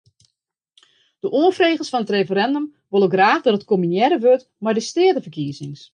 De oanfregers fan it referindum wolle graach dat it kombinearre wurdt mei de steateferkiezings.